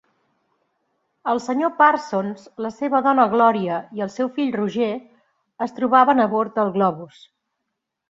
El senyor Parsons, la seva dona Gloria i el seu fill Roger es trobaven a bord del globus.